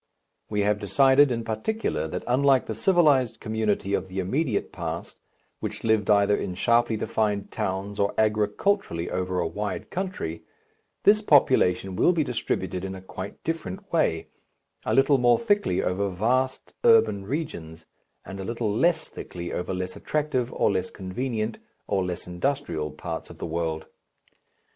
We have decided in particular that unlike the civilized community of the immediate past which lived either in sharply defined towns or agriculturally over a wide country, this population will be distributed in a quite different way, a little more thickly over vast urban regions and a little less thickly over less attractive or less convenient or less industrial parts of the world.